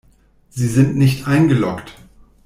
Sie sind nicht eingeloggt.